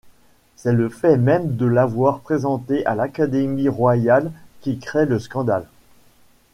C'est le fait même de l'avoir présentée à l'Académie royale qui crée le scandale.